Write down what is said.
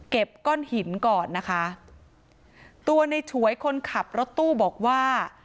ก้อนหินก่อนนะคะตัวในฉวยคนขับรถตู้บอกว่า